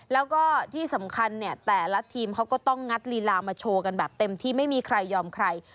แล้วก็ที่สำคัญเนี่ยแต่ละทีมเขาก็ต้องงัดลีลามาโชว์กันแบบเต็มที่ไม่มีใครยอมใคร